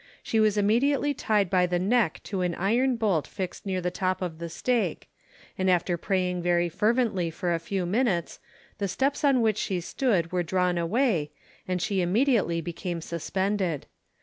She was immediately tied by the neck to an iron bolt fixed near the top of the stake, and after praying very fervently for a few minutes, the steps on which she stood were drawn away, and she immediately became suspended.